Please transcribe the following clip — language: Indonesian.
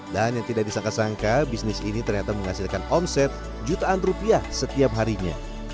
dan yang tidak disangka sangka bisnis ini ternyata menghasilkan omset jutaan rupiah setiap harinya